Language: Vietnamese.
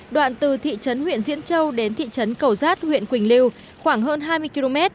đoạn từ thị trấn huyện diễn châu đến thị trấn cầu giác huyện quỳnh lưu khoảng hơn hai mươi km